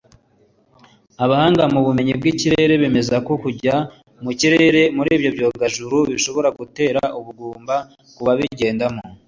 Abahanga mubumenyi bw’ikirere bemeza ko kujya mu kirere muri ibyo byogajuru bishobora gutera ubugumba ku babigendamo